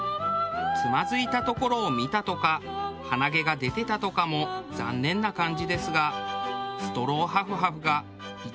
つまずいたところを見たとか鼻毛が出てたとかも残念な感じですが。